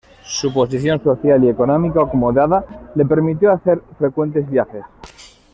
Su posición social y económica acomodada le permitió hacer frecuentes viajes.